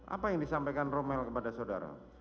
apa yang disampaikan romel kepada saudara